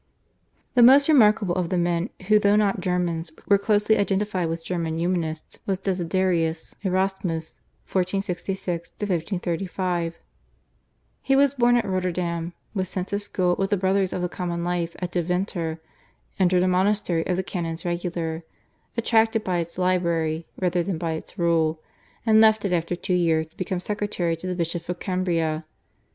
The most remarkable of the men, who, though not Germans, were closely identified with German Humanists, was Desiderius Erasmus (1466 1535). He was born at Rotterdam, was sent to school with the Brothers of the Common Life at Deventer, entered a monastery of the Canons Regular attracted by its library rather than by its rule, and left it after two years to become secretary to the Bishop of Cambrai.